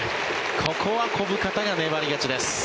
ここは小深田が粘り勝ちです。